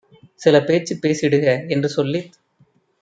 சிலபேச்சுப் பேசிடுக" என்றுசொல்லித்